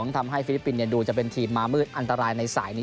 ฟิลิปปินส์ดูจะเป็นทีมมามืดอันตรายในสายนี้